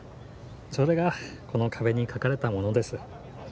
それがこの壁に書かれたものです。